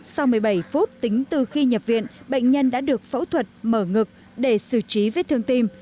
sau một mươi bảy phút tính từ khi nhập viện bệnh nhân đã được phẫu thuật mở ngực để xử trí vết thương tim